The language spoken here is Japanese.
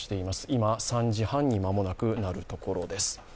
今、３時半に間もなくなるところです。